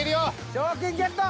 賞金ゲット。